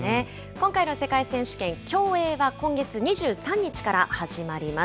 今回の世界選手権、競泳は今月２３日から始まります。